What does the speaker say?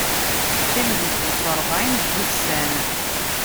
Qqimen deg-s ṛebɛin n wussan.